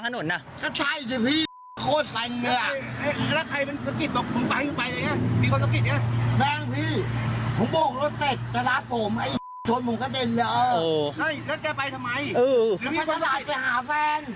เฮ้ยแล้วแกไปทำไมหรือวิธีหวาดไปหาแม่ง